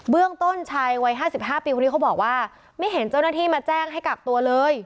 เรื่องต้นชายวัย๕๕ปีคนนี้เขาบอกว่าไม่เห็นเจ้าหน้าที่มาแจ้งให้กักตัวเลย